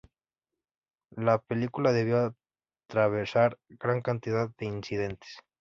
La película debió atravesar gran cantidad de incidentes.